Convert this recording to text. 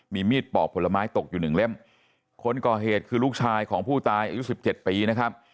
มีมีดปอกผลไม้ตกอยู่หนึ่งเล่มคนก่อเหตุคือลูกชายของผู้ตายอายุสิบเจ็ดปีนะครับ